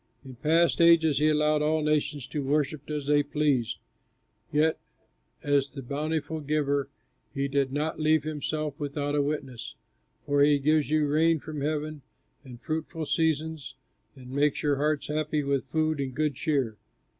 In past ages he allowed all nations to worship as they pleased; yet as the bountiful Giver he did not leave himself without a witness, for he gives you rain from heaven and fruitful seasons and makes your hearts happy with food and good cheer."